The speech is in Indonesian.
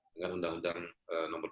dengan undang undang rakyat